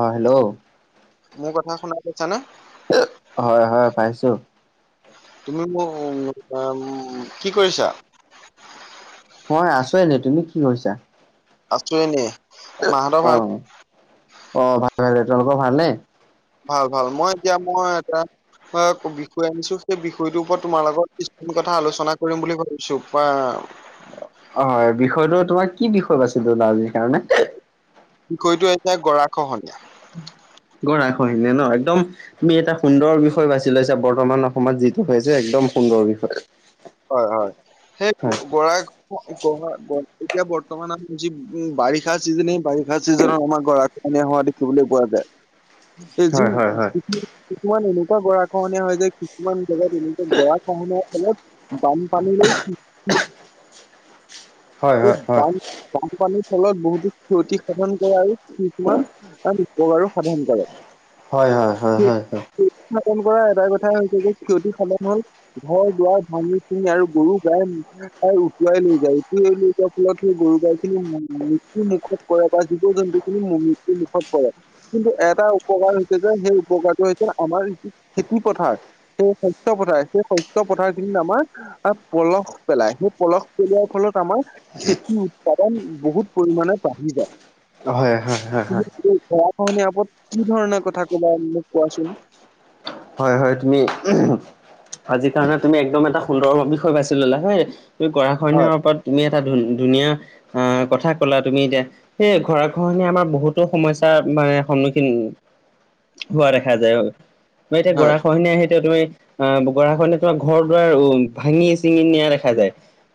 অহ, hello. মোৰ কথা শুনা পাইছানে? হয় হয় পাইছো। তুমি মোক [unintelligible] কি কৰিছা? মই আছো এনেই, তুমি কি কৰিছা? আছোঁ এনেই। মাহঁতৰ ভাল? অঁহ অঁহ ভাল ভাল, তোমালোকৰ ভাল নে? ভাল ভাল মই এতিয়া মই এটা বিষয় আনিছো, সেই বিষয়টোৰ ওপৰত তোমাৰ লগত কিছুমান কথা আলোচনা কৰিম বুলি ভাবিছোঁ বা অহ, হয়। বিষয়টো তোমাৰ কি বিষয় বাছি ল'লা আজিৰ কাৰণে। বিষয়টো এ হৈছে, গৰাখহনীয়া। গৰাখহনীয়া ন' একদম তুমি এটা সুন্দৰ বিষয় বাছি লৈছা। বৰ্তমান অসমত যিটো হৈছে একদম সুন্দৰ বিষয়। হয়, হয়। সেই হয় গৰাখ গৰা গৰা এতিয়া বৰ্তমান আমি যি উ বাৰিষা চিজনেই বাৰিষা চিজনত আমাৰ গৰা এনে হোৱা দেখিবলৈ পোৱা যায় এই যি হয় হয় [unintelligible] কিছুমান এনেকুৱা গৰাখহনীয়া হয় যে, কিছুমান জেগাত এনেকুৱা গৰা খহনীয়াৰ ফলত বানপানীৰ দিন। হয় এই হয় বান বানপানীৰ ফলত বহুতো ক্ষতিসাধন কৰে আৰু কিছুমান, তাৰ উপকাৰো সাধন কৰে। হয় হয় হয় হয় হয় কাম কৰা এটাই কথা হৈছে যে ক্ষতি সাধন হল। ঘৰ দুৱাৰ ভাঙি চিঙি আৰু গৰু গাই এই উটুৱাই লৈ যায়। [unintelligible] তাৰ ফলত সেই গৰু গাই খিনি মৃত্যু মুখত পৰে বা জীৱ-জন্তু খিনি মৃত্যু মুখত পৰে। কিন্তু, এটা উপকাৰ হৈছে যে, সেই উপকাৰটো হৈছে আমাৰ খেতি-পথাৰ। সেই শস্য পথাৰ সেই শস্য পথাৰ খিনিত আমাৰ আৰু পলস পেলাই, সেই পলস পেলোৱাৰ ফলত আমাৰ খেতি উৎপাদন বহুত পৰিমানে বাঢ়ি যায়। হয় হয় হয়। হয় তুমি আজি গৰাখহনীয়া ওপৰত কি ধৰণৰ কথা কবা মোক কোৱাচোন? হয়, হয়। তুমি আজি কাৰণে তুমি একদম এটা সুন্দৰ বিষয় বাছি ললা হয় তুমি গৰাখহনীয়াৰ হয় ওপৰত তুমি এটা ধনু- ধুনীয়া আহ কথা ক'লা। তুমি এতিয়া সেয়ে গৰাখহনীয়া আমাৰ বহুতো সমস্যাৰ মানে সন্মুখীন হোৱা দেখা যায়। ত' এতিয়া হয় গৰাখনীয়া আহি এতিয়া তুমি অহ, গৰাখহনীয়া তোমাৰ ঘৰ দুৱাৰ উম, ভাঙি-চিঙি নিয়া দেখা যায়।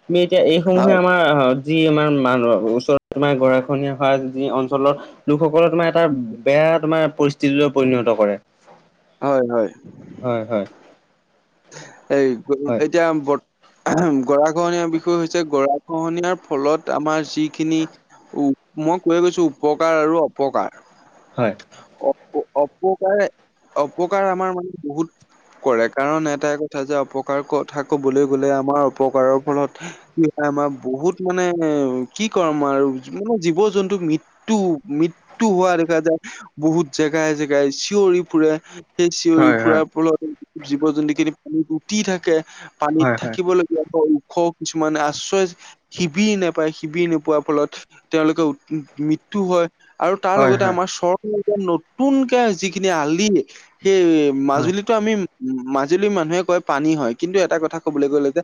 আমি এতিয়া এইসমূহে আমাৰ যি আমাৰ মানুহ ওচৰত তোমাৰ গৰাখহনীয়া হোৱা যি অঞ্চলৰ লোকসকলৰ তোমাৰ এটা বেয়া তোমাৰ পৰিস্থিতিলৈ পৰিণত কৰে। হয়-হয়। হয়-হয়। এই এতিয়া বৰ্ত গৰাখহনীয়াৰ বিষয় হৈছে গৰাখহনীয়াৰ ফলত আমাৰ যিখিনি উপ-মই কৈ গৈছো উপকাৰ আৰু অপকাৰ। হয় অপ-অপকাৰে অপকাৰ আমাৰ মানে বহুত- কৰে। কাৰণ এটাই কথা যে অপকাৰ কথা কবলৈ গ'লে আমাৰ অপকাৰৰ ফলত- কি হয় আমাৰ বহুত মানে কি কম আৰু মানে জীৱ-জন্তু মৃত- ত্যু, মৃত্যু হোৱা দেখা যায়, বহুত জেগাই-জেগাই চিঞৰি ফুৰে। সেই চিঞৰি হয় হয় হয় ফুুৰাৰ ফলত জীৱ-জন্তু খিনি পানীত উটি থাকে, পানীত হয় হয় থাকিব ল- গীয়া ওখ কিছুমান আশ্ৰয়- শিবিৰ নেপায়, শিবিৰ নোপোৱাৰ ফলত তেওঁলোকে মৃত্যু হয়। আৰু তাৰ হয় লগতে হয় আমাৰ চৰ - নতুনকে যিখিনি আলি, সেই হয় মাজুলীটো আমি মাজু- লী মানুহে কয় পানী হয়, কিন্তু এটা কথা কবলৈ গ'লে যে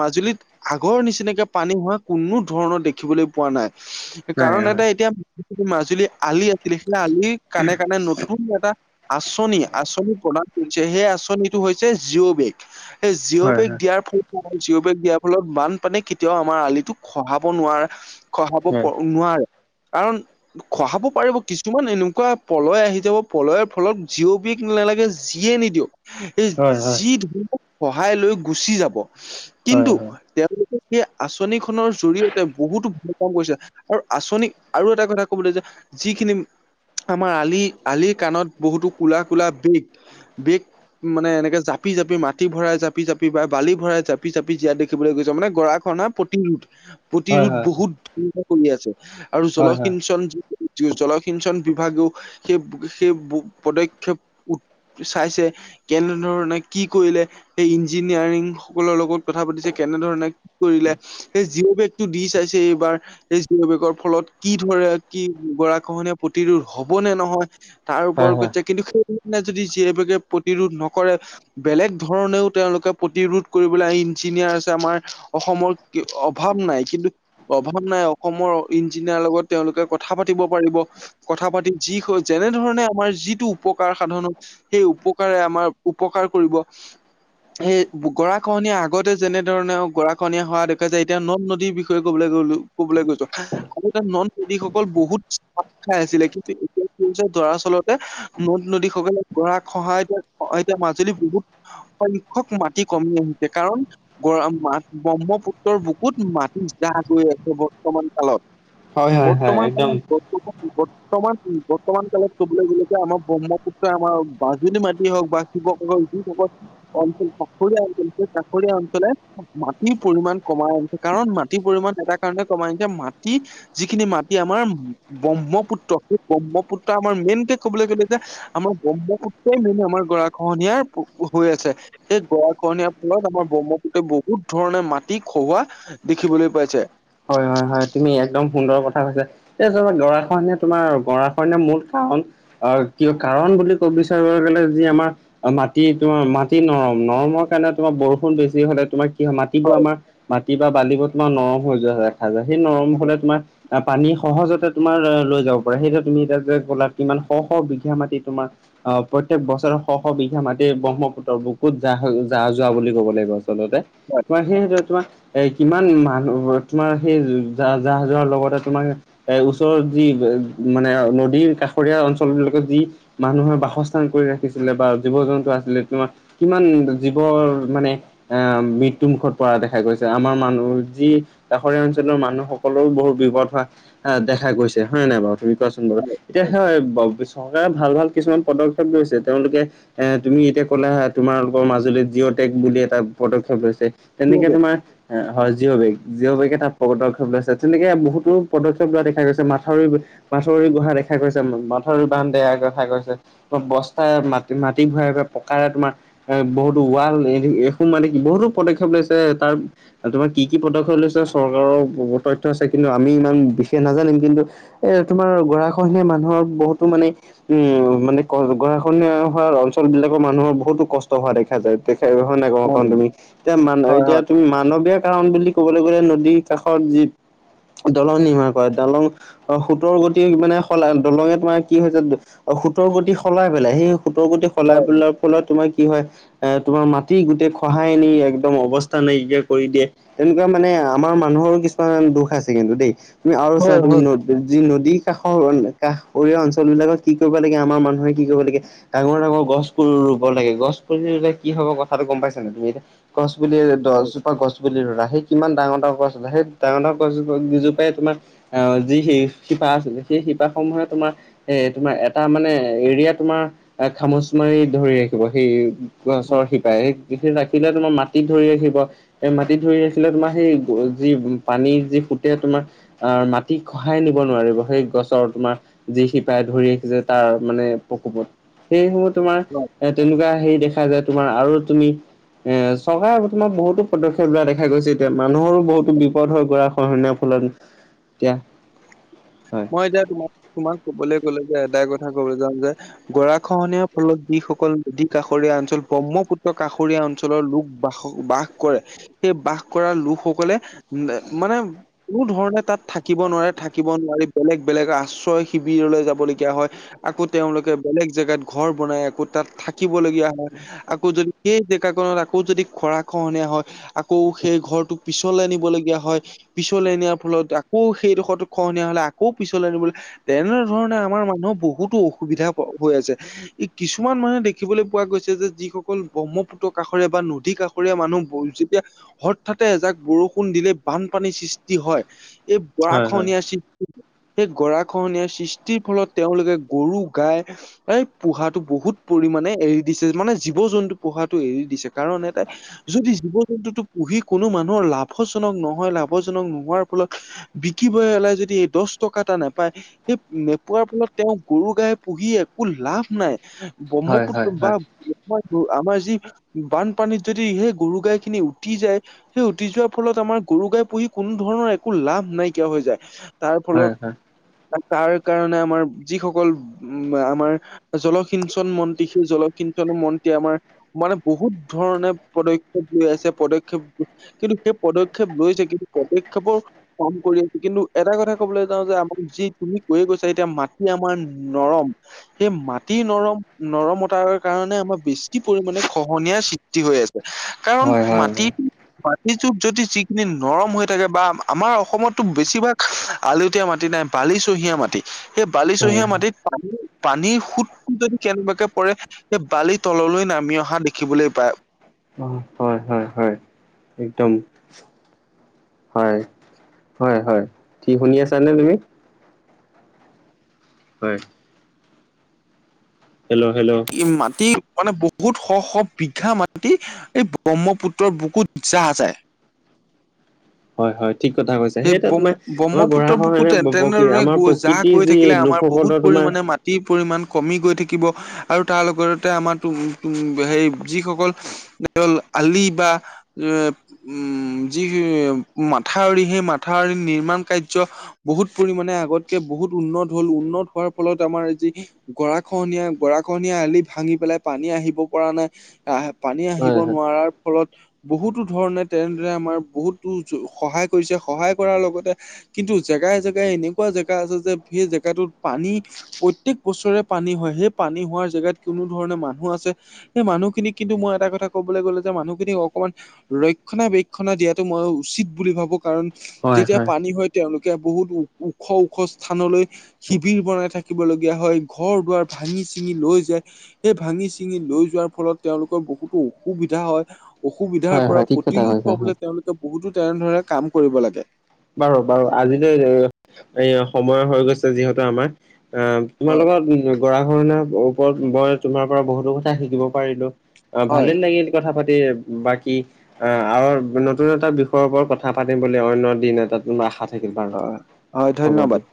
মাজুলীত- আগৰ নিচিনাকে পানী হোৱা কোনো ধৰণৰ দেখিবলৈ পোৱা নাই। কাৰণ এটা এতিয়া যিটো মাজুলীৰ আলি আছিলে, সেই আলিৰ কাণে-কাণে নতুন এটা- আঁচনি-আঁচনি প্ৰদান কৰিছে সেই আঁচনিটো হৈছে জি'অ বেগ। এই জিঅ' হয় বেগ হয় দিয়াৰ ফলত জিঅ' বেগ দিয়াৰ ফলত বানপানীয়ে কেতিয়াও আমাৰ আলিটোক খহাব নোৱাৰে। খহাব হয় প-নোৱাৰে, কাৰণ খহাব পাৰিব। কিছুমান এনেকুৱা পলয় আহি যাব পলয়ৰ ফলত জিঅ' বেগ নালাগে যিয়ে নিদিয়ক- এই হয় হয় যি ধৰণক সহায় লৈ গুচি যাব, হয় কিন্তু তেওঁলোকে সেই আঁচনি খনৰ জৰিয়তে বহুতো ভাল কাম কৰিছে। আৰু আচনি আৰু এটা কথা কবলৈ যে, যিখিনি- আমাৰ আলি-আলিৰ কাণত বহুতো কলা-কলা, বিগ-বিগ মানে এনেকে- জাপি-জাপি মাটি ভৰাই, জাপি-জাপি বা বালি ভৰাই, জাপি-জাপি জীয়াত দেখিবলৈ গৈছে মানে গৰাখহনা প্ৰতিৰোধ। হয় হয় প্ৰতিৰোধ হয় বহুত [unintelligible] কৰি আছে, আৰু হয় হয় হয় জলসিঞ্চন- জ-জলসিঞ্চন বিভাগেও সেই-সেই বো-পদক্ষেপ- চাইছে। কেনেধৰণে- কি কৰিলে, সেই ইঞ্জিনিয়াৰিং সকলৰ লগত কথা পাতিছে কেনে ধৰণে কি কৰিলে। সেই জিঅ' বেগটো দি চাইছে এইবাৰ। এই [unintelligible] বেগৰ ফলত কি ধৰে কি গৰাখহনীয়া প্ৰতিৰোধ হব নে নহয়। তাৰ হয় ওপৰত হয় গৈছে, কিন্তু সেই [unintelligible] যদি জিয়'বেগে প্ৰতিৰোধ নকৰে। বেলেগ ধৰণেও তেওঁলোকে প্ৰতিৰোধ কৰিবলৈ ইঞ্জিনিয়াৰ আছে আমাৰ অসমৰ অভাৱ নাই কিন্তু অভাৱ নাই অসমৰ ইঞ্জিনিয়াৰ লগত তেওঁলোকে কথা পাতিব পাৰিব। কথা পাতি যি হয় যেনে ধৰণে আমাৰ যিটো উপকাৰ সাধনত সেই উপকাৰে আমাৰ উপকাৰ কৰিব। সেই গৰাখহনীয়া আগতে যেনে ধৰণে গৰাখহনীয়া হোৱা দেখা যায়, এতিয়া নদ নদীৰ বিষয়ে কবলৈ গলো কবলৈ গৈছ আগতে নদ নদীসকল বহুত ছাপ খাই আছিলে, কিন্তু এতিয়া কি হৈছে দৰাচলত তে নদ নদী সুকালে, গৰাখহাই এতিয়া এতিয়া মাজুলী বহুত সংখ্যক মাটি কমি আহিছে কাৰণ গৰম মাহ ব্ৰহ্মপুত্ৰৰ বুকুত মাটি জাহ গৈ আছে বৰ্তমান কালত। হয় হয় হয় বৰ্তমান একদম কালত [unintelligible] বৰ্তমান বৰ্তমান কালত কবলৈ গ'লেটো আমাৰ ব্ৰহ্মপুত্ৰই আমাৰ মাজুলী মাটি হওক বা শিৱসাগৰ [unintelligible] অঞ্চল তাকৰীয়া অঞ্চল, সেই তাকৰীয়া অঞ্চলে মাটিৰ পৰিমান কমাই আনিছে, কাৰণ মাটিৰ পৰিমাণ এটা কাৰণতে কমাই আনিছে মাটি যিখিনি মাটি আমাৰ ব্ৰহ্মপুত্ৰ সেই ব্ৰহ্মপুত্ৰ আমাৰ মেইনকে ক'বলৈ গলে যে আমাৰ ব্ৰহ্মপুত্ৰই মানে আমাৰ গৰাখহনীয়াৰ হৈ আছে সেই গৰা খহনীয়াৰ ফলত আমাৰ ব্ৰহ্মপুত্ৰই বহুত ধৰণে মাটি খহোৱা দেখিবলৈ পাইছে। হয় হয় হয় তুমি একদম সুন্দৰ কথা কৈছা। এই চাবা গৰাখহনীয়া তোমাৰ গৰাখহনীয়াৰ মূল কাৰণ অ কিয় কাৰণ বুলি কব বিচাৰিব গলে যি আমাৰ মাটি তোমাৰ মাটি নৰম নৰমৰ কাৰণে তোমাৰ বৰষুণ বেছি হলে তোমাৰ কি হয় মাটিবোৰ আমাৰ মাটি বা বালিবোৰ তোমাৰ নৰম হৈ যোৱা দেখা যায়, সেই নৰম হয় হলে তোমাৰ পানী সহজতে তোমাৰ লৈ যাব পাৰে সেইটো তুমি এতিয়া যে ক'লা কিমান শ শ বিঘা মাটি তোমাৰ অ প্ৰত্যেক বছৰে শ শ বিঘা মাটি ব্ৰহ্মপুত্ৰৰ বুকুত যাহ যাহ যোৱা বুলি ক'ব লাগিব। আচলতে হয় তোমাৰ সেই তোমাৰ এ কিমান মানুহ তোমাৰ সেই যাহ যোৱাৰ লগতে তোমাক এ ওচৰৰ যি মানে নদীৰ কাষৰীয়া অঞ্চল বিলাকত যি মানুহে বাসস্থান কৰি ৰাখিছিলে বা জীৱ জন্তু আছিলে তোমাৰ কিমান জীৱৰ মানে আ মৃত্যু মুুখত পৰা দেখা গৈছে আমাৰ মানুহ যি কাষৰীয়া অঞ্চলৰ মানুহসকলৰো বহুত বিপদ হোৱা দেখা গৈছে, হয় নে নাই বাৰু কোৱাচোন বাৰু, এতিয়া সেই চৰকাৰে ভাল ভাল কিছুমান পদক্ষেপ লৈছে তেওঁলোকে এ তুমি এতিয়া ক'লা হ তোমালোকৰ মাজুলীত জিঅ'টেক বুলি এটা পদক্ষেপ লৈছে তেনেকে সেইবাবে তোমাৰ হয় জিঅ' বেগ জিঅ' বেগে এটা পদক্ষেপ লৈছে তেনেকে বহুতো পদক্ষেপ লোৱা দেখা গৈছে মাথাউৰি মাথাউৰি গুহা দেখা গৈছে মাথাউৰি বান্ধ দেখা গৈছে। বস্তা মাটি মাটি ভৰাই ভৰাই পকাৰে তোমাৰ এ বহুতো ৱাল [unintelligible] মানে বহুতো পদক্ষেপ লৈছে তাৰ তোমাৰ কি কি পদক্ষেপ লৈছে চৰকাৰৰ তথ্য আছে কিন্তু আমি ইমান বিশেষ নাজানিম কিন্তু এ তোমাৰ গৰাখহনীয়াই মানুহৰ বহুতো মানে উম মানে গৰাখহনীয়া হোৱা অঞ্চল বিলাকৰ মানুহৰ বহুতো কষ্ট হোৱা দেখা যায়। [unintelligible] হয় নাই কওঁ কন তুমি এতিয়া মান এতিয়া তুমি মানৱীয় কাৰণ বুলি ক'বলৈ গ'লে নদ কাষত যি দলং নিৰ্মাণ কৰে দলং অ', সোঁতৰ গতি মানে সলাই দলং তোমাৰ কি হৈছে আৰু সোঁতৰ গতি সলাই পেলাই সেই সোঁতৰ গতি সলাই পেলোৱাৰ ফলত তোমাৰ কি হয় এ তোমাৰ মাটি গোটেই খহাই নি একদম অৱস্থা নাইকিয়া কৰি দিয়ে তেনেকুৱা মানে আমাৰ মানুহৰো কিছুমান দুখ আছে কিন্তু দেই তুমি আৰু চাবা তুমি যি নদীৰ কাষৰ কাষৰীয়া অঞ্চল বিলাকত কি কৰিব লাগে আমাৰ মানুহে কি কৰিব লাগে ডাঙৰ, ডাঙৰ গছ বোৰ ৰুব লাগে গছ পুলি ৰুলে কি হ'ব কথাটো গ'ম পাইছানে তুমি এতিয়া গছ পুলি দহজোপা গছ পুলি ৰুলা সেই কিমান ডাঙৰ [unintelligible] সেই ডাঙৰ, ডাঙৰ গছ কেইজোপাই তোমাৰ অ', যি শিপা আছিলে সেই শিপাসমূহে তোমাৰ এ তোমাৰ এটা মানে এৰিয়া তোমাৰ এ খামুচ মাৰি ধৰি ৰাখিব সেই গছৰ শিপাই সেই ৰাখিলে তোমাৰ মাটিত ধৰি ৰাখিব। এ মাটি ধৰি ৰাখিলে তোমাৰ সেই যি পানী যি সোঁতে তোমাৰ অ', মাটি খহাই নিব নোৱাৰিব সেই গছৰ তোমাৰ যি শিপাই ধৰি ৰাখিছে তাৰ মানে প্ৰকোপত সেইসমূহ তোমাৰ এ তেনেকুৱা হেৰি দেখা যায় তোমাৰ আৰু তুমি এ চৰকাৰে বৰ্তমান বহুতো পদক্ষেপ লোৱা দেখা গৈছে এতিয়া মানুহৰো বহুতো বিপদ হয় গৰাখহনীয়াৰ ফলত এতিয়া হয়। মই এতিয়া তোমাক, তোমাক কবলৈ গ'লে যে এটাই কথা ক'ব যাম যে গৰাখহনীয়াৰ ফলত যিসকল নদী কাষৰীয়া অঞ্চল ব্ৰহ্মপুত্ৰ কাষৰীয়া অঞ্চল অঞ্চলৰ লোক বাস বাস কৰে সেই বাস কৰা লোকসকলে মানে কোনো ধৰণে তাত থাকিব নোৱাৰে থাকিব নোৱাৰি বেলেগ, বেলেগ আশ্ৰয় শিবিৰলৈ যাবলগীয়া হয়। আকৌ তেওঁলোকে বেলেগ জেগাত ঘৰ বনাই আকৌ তাত থাকিবলগীয়া হয় আকৌ যদি। সেই জেগাখনত আকৌ যদি গৰা খহনীয়া হয়। আকৌ সেই ঘৰটোক পিছলৈ নিবলগীয়া হয়। পিছলৈ নিয়াৰ ফলত আকৌ সেইডোখৰত খহনীয়া হলে আকৌ আকৌ পিছলৈ আনিবলৈ তেনেধৰণে আমাৰ মানুহৰ বহুতো অসুবিধা হৈ আছে। এ কিছুমান মানুহে দেখিবলৈ পোৱা গৈছে যে যিসকল ব্ৰহ্মপুত্ৰ কাষৰে বা নদী কাষৰে মানুহবোৰে যেতিয়া হঠাতে এজাক বৰষুণ দিলে বানপানীৰ সৃষ্টি হয় এই হয় হয়। গৰাখনীয়া সৃষ্টি সেই গৰাখনীয়া সৃষ্টিৰ ফলত তেওঁলোকে গৰু গাই এই পোহাটো বহুত পৰিমণে এৰি দিছে মানে জীৱ জন্তু পোহাটো এৰি দিছে কাৰণ এ তাই যদি জীৱ জন্তুটো পুহি কোনো মানুহৰ লাভজনক নহয় লাভজনক নোহোৱাৰ ফলত বিকিব এলাই যদি এই দশ টকা এটা নেপায় সেই নেপোৱাৰ ফলত তেওঁ গৰু গাই পুহি একো লাভ নাই। হয় ব্ৰহ্মপুত্ৰ হয় বা হয় বিষয় টো আমাৰ যি বানপানীত যদি সেই গৰু গাই খিনি উটি যায়। সেই উটি যোৱাৰ ফলত আমাৰ গৰু গাই পুহি কোনো ধৰণৰ একো লাভ নাইকিয়া হৈ যায় তাৰ ফলত হয় হয় তাৰ কাৰণে আমাৰ যিসকল উম আমাৰ জলসিঞ্চন মন্ত্ৰী সেই জলসিঞ্চন মন্তীয়ে আমাৰ মানে বহুত ধৰণে পদক্ষেপ লৈ আছে পদক্ষেপ কিন্তু সেই পদক্ষেপ লৈ কিন্তু পদক্ষেপৰ কাম কৰি আছে কিন্তু এটা কথা ক'বলৈ যে আমাৰ যি তুমি কৈ গৈছা এতিয়া মাটি আমাৰ নৰম সেই মাটি নৰম নৰমতাৰ কাৰণে আমাৰ বেছি পৰিমাণে খহনীয়াৰ সৃষ্টি হৈ আছে। কাৰণ হয় হয় মাটি হয় মাটি যু যদি যিখিনি নৰম হৈ থাকে বা আমাৰ অসমতো বেছিভাগ আলোত- তীয়া মাটি নাই বালিচহীয়া মাটি, সেই বালিচহীয়া হয়। মাটিত পানীৰ সুতটো যদি কেনেবাকে পৰে এই বালি তললৈ নামি অহা দেখিবলৈ পায় অঁ হয় হয় হয়, একদম। হয়। হয় হয় থি শুনি আছানে তুমি? হয় হেল্ল' হেল্ল' মাটি মানে বহুত শ'-শ' বিঘা মাটি এই ব্ৰহ্মপুত্ৰৰ বুকুত জ্বাহ যায়। হয় হয়। ঠিক কথা কৈছে, সেই ত ব্ৰহ্ম তোমাৰ, আমাৰ ব্ৰহ্মপুত্ৰৰ বুকুত গৰাখহনীয়া তেনেদৰে আমাৰ গৈ প্ৰকৃতিৰ যি লোকসকলৰ তোমাৰ তি পৰিমাণ কমি গৈ থাকিব আৰু তাৰ লগতে আমাৰ টো টো সেই যিসকল আলি বা এ উম্ যি মাথাউৰি সেই মাথাউৰী নিৰ্মাণ কাৰ্য বহুত পৰিমানে আগতকে বহুত উন্নত হ'ল উন্নত হোৱাৰ ফলত আমাৰ যি গৰাখহনীয়া, গৰাখহনীয়া আলি ভাঙি পেলাই পানী আহিব পৰা নাই আহ পানী আহিব হয় হয় নোৱাৰাৰ ফলত বহুতো ধৰণে তেনেদৰে আমাৰ বহুতো সহায় কৰিছে সহায় কৰাৰ লগতে কিন্তু জেগাই-জেগাই এনেকুৱা জেগা আছে যে সেই জেগাটোত পানী প্ৰত্যেক বছৰে পানী হয়, সেই পানী হোৱাৰ জেগাত কোনো ধৰণে মানুহ আছে সেই মানুহখিনিক কিন্তু মই এটা কথা ক'বলৈ গ'লে যে মানুহখিনিক অকমান ৰক্ষণা-বেক্ষণা দিয়াটো মই উচিত বুলি ভাবো কাৰণ যেতিয়া পানী হয় তেওঁলোকে বহুত ওখ ওখ স্থানলৈ শিবিৰ বনাই থাকিব লগীয়া হয়, ঘৰ-দুৱাৰ ভাঙি-চিঙি লৈ যায় সেই ভাঙি-চিঙি লৈ যোৱাৰ ফলত তেওঁলোকৰ বহুতো অসুবিধা হয় অসুবিধাৰ হয় পৰা হয় ঠিক কথা প্ৰতিৰোধ কৈছা হয়। পাবলৈ তেওঁলোকে বহুতো তেনেধৰণে কাম কৰিব লাগে। বাৰু-বাৰু আজিলৈ এ সময় হৈ গৈছে যিহেতু আমাৰ এঁ, তোমাৰ হয় লগত গৰাখহনীয়াৰ ওপৰ- ৰত মই তোমাৰ পৰা বহুতো কথা শিকিব পাৰিলো। অ হয় ভালেই লাগিল কথা পাতি, বাকি অ আৰু নতুন এটা বিষয়ৰ ওপৰত কথা পাতিম বুলি অন্য দিন এট- টাত আশা থাকিল বাৰু, হয় হয় হ'ব ধন্যবাদ দিয়া,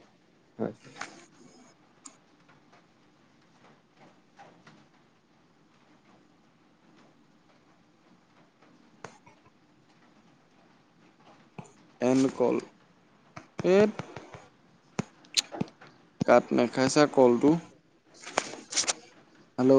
হয়। And call. এত' কাত নেখাইছে কল'টো। হেল্ল'